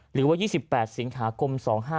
หรือว่า๒๘สิงหาคม๒๕๕๙